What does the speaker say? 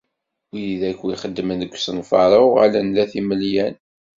Wid akk ixedmen deg usenfaṛ-a uɣalen d at imelyan.